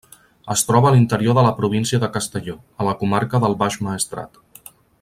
Es troba a l'interior de la província de Castelló, a la comarca del Baix Maestrat.